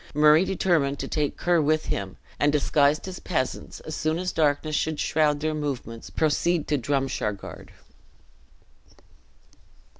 Murray determined to take Ker with him; and, disguised as peasants, as soon as darkness should shroud their movements, proceed to Drumshargard.